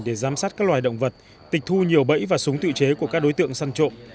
để giám sát các loài động vật tịch thu nhiều bẫy và súng tự chế của các đối tượng săn trộm